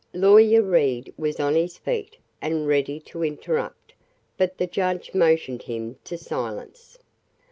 Lawyer Reed was on his feet and ready to interrupt, but the judge motioned him to silence.